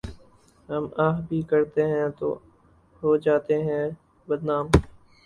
ہم آہ بھی کرتے ہیں تو ہو جاتے ہیں بدنام۔